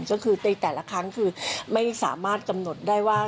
ก็คือในแต่ละครั้งคือไม่สามารถกำหนดได้ว่า